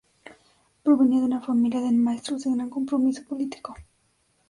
Provenía de una familia de maestros de gran compromiso político.